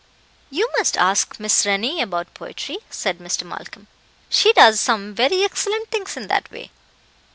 "You must ask Miss Rennie about poetry," said Mr. Malcolm; "she does some very excellent things in that way."